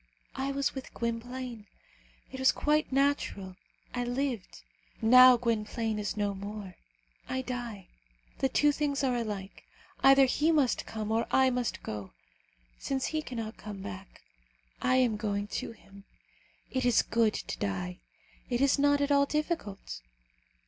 I was with Gwynplaine. It was quite natural, I lived. Now Gwynplaine is no more, I die. The two things are alike: either he must come or I must go. Since he cannot come back, I am going to him. It is good to die. It is not at all difficult.